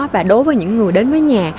và đối với những người đến với nhà